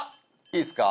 いいですか？